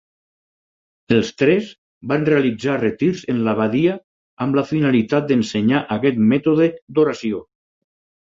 Els tres van realitzar retirs en l'abadia amb la finalitat d'ensenyar aquest mètode d'oració.